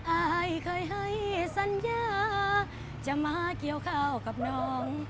อายเคยให้สัญญาจะมาเกี่ยวข้าวกับน้อง